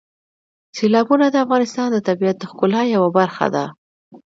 سیلابونه د افغانستان د طبیعت د ښکلا یوه برخه ده.